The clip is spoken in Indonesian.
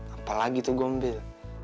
apalagi tuh gombil